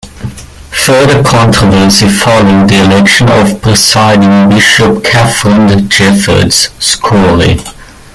Further controversy followed the election of Presiding Bishop Katharine Jefferts Schori.